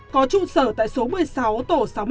có trụ sở tại số một mươi sáu tổ sáu mươi tám